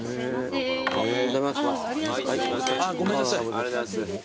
ありがとうございます。